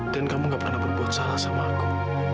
dan kamu gak pernah berbuat salah sama aku